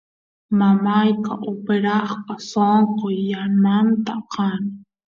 mamayqa operasqa sonqo yanamanta kan